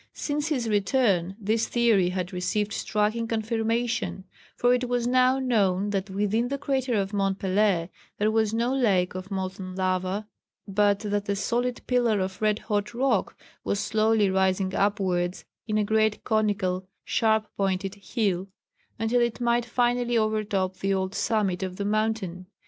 Since his return this theory had received striking confirmation, for it was now known that within the crater of Mont Pelée there was no lake of molten lava, but that a solid pillar of red hot rock was slowly rising upwards in a great conical, sharp pointed hill, until it might finally overtop the old summit of the mountain.